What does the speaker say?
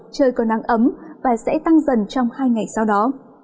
trời còn nắng ấm và sẽ tăng dần trong hai ngày sau đó